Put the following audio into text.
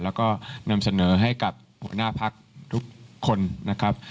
แล้วก็นำเสนอให้กับหัวหน้าพักทุกคนนะครับ